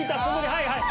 はいはい。